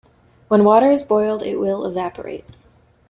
When water is boiled, it will evaporate.